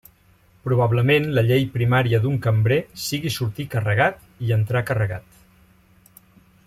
Probablement la llei primària d'un cambrer sigui sortir carregat i entrar carregat.